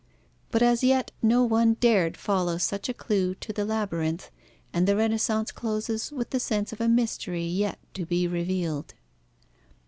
But as yet no one dared follow such a clue to the labyrinth, and the Renaissance closes with the sense of a mystery yet to be revealed.